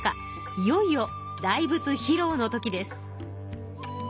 いよいよ大仏ひろうの時です。